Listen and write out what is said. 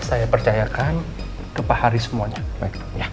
saya percayakan ke pak haris semuanya